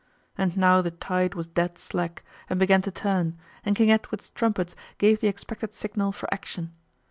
And now the tide was dead slack and began to turn, and King Edward's trumpets gave the expected signal for action.